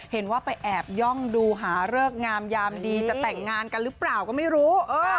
เห็นว่าไปแอบย่องดูหาเลิกงามยามดีจะแต่งงานกันหรือเปล่าก็ไม่รู้